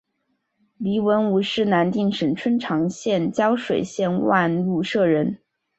黎文敔是南定省春长府胶水县万禄社人。